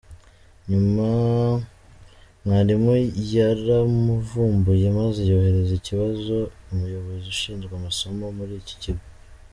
Nyuma Mwalimu yaramuvumbuye maze yoherereza iki kibazo Umuyobozi ushinzwe amasomo muri iki kigo.